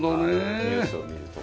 ニュースを見るとか。